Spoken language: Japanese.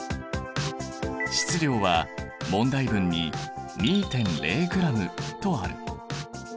質量は問題文に２．０ｇとある。